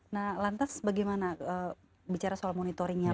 nah lantas bagaimana bicara soal monitoringnya pak